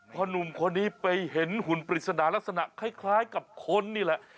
พอหนุ่มคนนี้ไปเห็นหุ่นปริศนาลักษณะคล้ายกับคนนี่แหละ